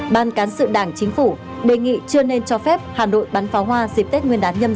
ban cán sự đảng chính phủ đề nghị chưa nên cho phép hà nội bắn pháo hoa dịp tết nguyên đán nhâm dần hai nghìn hai mươi hai